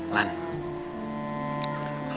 lu kenapa sih